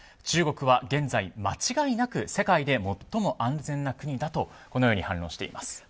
中国は現在、間違いなく世界で最も安全な国だと反論しています。